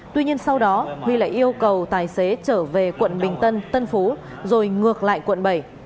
tuy nhiên sau đó huy lại yêu cầu tài xế trở về quận bình tân tân phú rồi ngược lại quận bảy